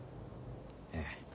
ええ。